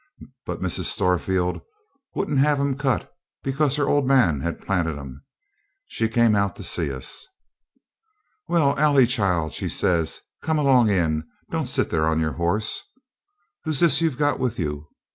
But Mrs. Storefield wouldn't have 'em cut because her old man had planted 'em. She came out to see us. 'Well, Ailie, child,' says she, 'come along in, don't sit there on your horse. Who's this you've got with you?